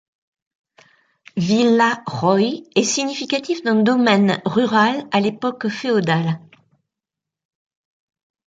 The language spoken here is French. Villa Roy est significatif d'un domaine rural à l'époque féodale.